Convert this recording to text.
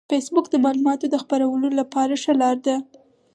فېسبوک د معلوماتو د خپرولو لپاره ښه لار ده